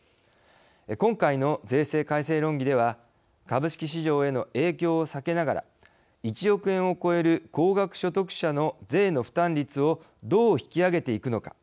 今回の税制改正論議では株式市場への影響を避けながら１億円を超える高額所得者の税の負担率をどう引き上げていくのか。